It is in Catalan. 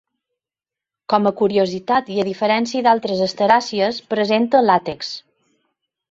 Com a curiositat i a diferència d'altres asteràcies, presenta làtex.